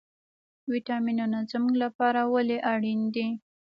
ویټامینونه زموږ لپاره ولې اړین دي